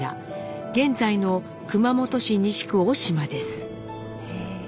現在の熊本市西区小島です。